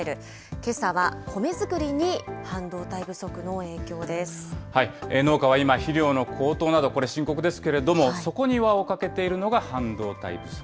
けさは、コメ作りに半導体不足の農家は今、肥料の高騰など、これ、深刻ですけれども、そこに輪をかけているのが、半導体です。